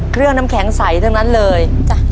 เครื่องน้ำแข็งใสเท่านั้นเลย